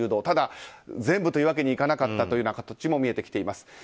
ただ全部というわけにはいかなかったという形も見えてきています。